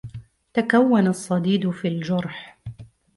تَكَوّنَ الصديد في الجرح.